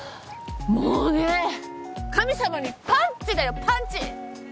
もうね神様にパンチだよパンチ！